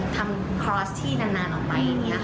ทำคอลลัสที่นานออกไป